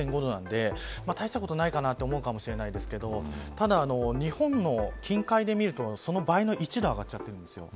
大したことないかなと思うかもしれないですけどただ、日本の近海で見るとその倍の１度上がっちゃってるんです。